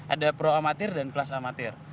ada pro amatir dan kelas amatir